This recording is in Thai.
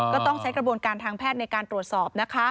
ก็ต้องใช้กระบวนการทางแพทย์ในการตรวจสอบนะคะ